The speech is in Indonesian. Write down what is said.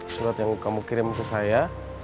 surat yang kamu kirim ke saya